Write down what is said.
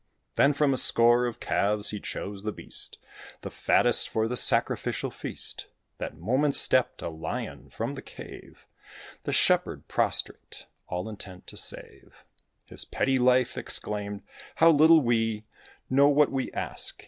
Then from a score of calves he chose the beast, The fattest, for the sacrificial feast. That moment stepped a Lion from the cave; The Shepherd, prostrate, all intent to save His petty life, exclaimed, "How little we Know what we ask!